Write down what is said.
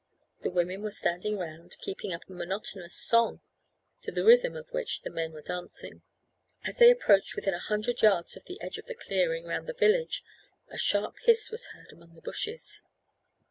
The women were standing round, keeping up a monotonous song, to the rhythm of which the men were dancing. As they approached within a hundred yards of the edge of the clearing round the village, a sharp hiss was heard among the bushes.